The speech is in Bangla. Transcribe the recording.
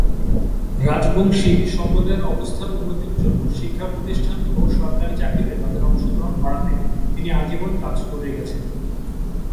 রাজবংশী সম্প্রদায়ের অবস্থার উন্নতির জন্য শিক্ষাপ্রতিষ্ঠান ও সরকারি চাকরিতে তাদের অংশগ্রহণ বাড়াতে তিনি আজীবন কাজ করে গেছেন।